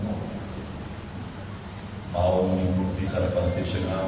mau mengikuti secara konstitusional